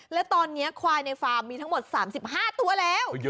และตอนนี้ควายในฟาร์มมีทั้งหมด๓๕ตัวแล้ว